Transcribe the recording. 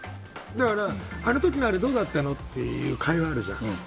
だから、あの時のあれどうだったの？っていう会話あるじゃん。